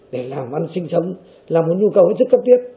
để làm ăn sinh sống là một nhu cầu rất cấp tiết